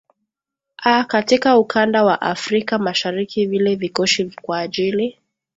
a katika ukanda wa afrika mashariki vile vikoshi kwa ajili